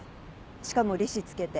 しかも利子つけて。